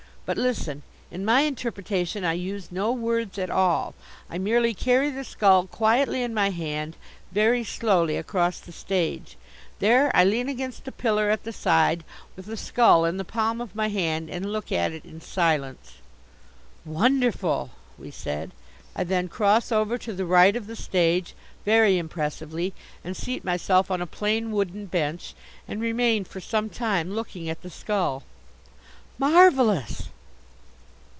"But listen. In my interpretation I use no words at all. I merely carry the skull quietly in my hand, very slowly, across the stage. There I lean against a pillar at the side, with the skull in the palm of my hand, and look at it in silence." "Wonderful!" we said. "I then cross over to the right of the stage, very impressively, and seat myself on a plain wooden bench, and remain for some time, looking at the skull." "Marvellous!"